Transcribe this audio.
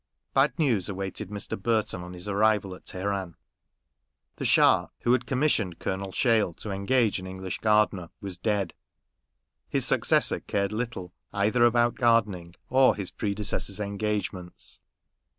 Bad news awaited Mr. Burton on his arrival at Teheran. The Schah, who had commis sioned Colonel Sheil to engage an English gardener, was dead. His successor cared little either about gardening or his predecessor's engagements.